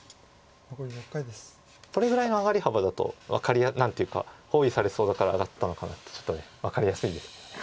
これぐらいの上り幅だと何ていうか包囲されそうだから上がったのかなってちょっと分かりやすいですよね。